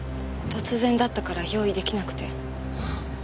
突然だったから用意できなくて。